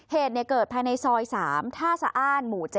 เหตุเกิดภายในซอย๓ท่าสะอ้านหมู่๗